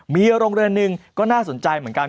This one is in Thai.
มีโรงเรียนหนึ่งก็น่าสนใจเหมือนกัน